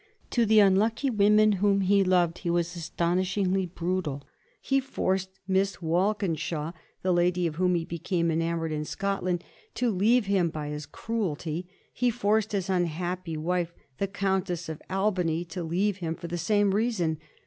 To the unlucky women whom he loved he was astonishingly brutal; he forced Miss Walkenshaw — the lady of whom he became enamoured in Scotland — to leave him by his cruelty ; he forced his unhappy wife, the Countess of Albany, to leave him for the same reason.